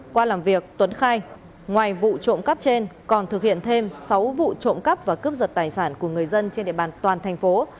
qua làm việc tuấn khai ngoài vụ trộm cắp trên còn thực hiện thêm sáu vụ trộm cắp và cướp giật tài sản của người dân trên địa bàn toàn thành phố